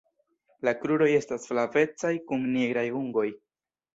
La kruroj estas flavecaj kun nigraj ungoj.